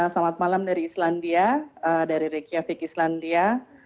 selamat malam dari islandia dari rikiavik islandia